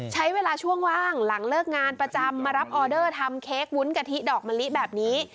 ใช้เวลาช่วงว่างหลังเลิกงานประจำมารับออเดอร์ทำเค้กวุ้นกะทิดอกมะลิแบบนี้